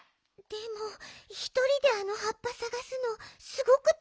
でもひとりであのはっぱさがすのすごくたいへんよね。